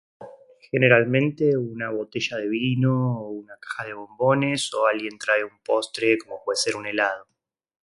generalmente una botella de vino, una caja de bombones o alguien trae un postre como puede ser un helado